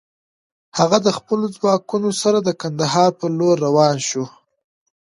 هغه د خپلو ځواکونو سره د کندهار پر لور روان شو.